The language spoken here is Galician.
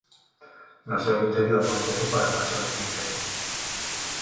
No seu interior non se atoparon achados de interese.